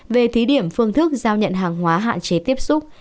về thí điểm phương thức giao nhận hàng hóa hạn chế tiếp xúc